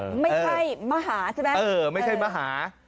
ไม่ใช่มหาใช่ไหมเออไม่ใช่มหา